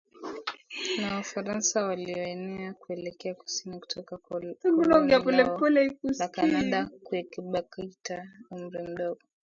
na Wafaransa walioenea kuelekea kusini kutoka koloni lao la Kanada QuebecKatika umri mdogo